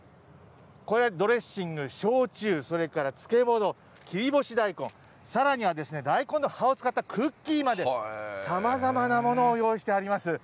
これ、ドレッシング、焼酎、それから漬物、切り干し大根、さらには大根の葉を使ったクッキーまで、さまざまなものを用意してあります。